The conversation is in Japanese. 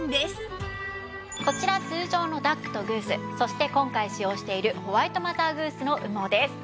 こちら通常のダックとグースそして今回使用しているホワイトマザーグースの羽毛です。